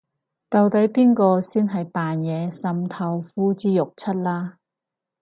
到底邊個先係扮嘢滲透呼之欲出啦